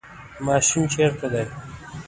ماشین چیرته دی؟